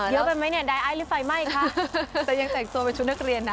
เยอะไปไหมเนี่ยไดไอซ์หรือไฟไหม้คะแต่ยังแต่งตัวเป็นชุดนักเรียนนะ